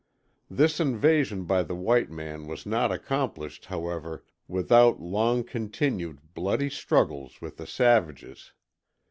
This invasion by the white man was not accomplished, however, without long continued, bloody struggles with the savages.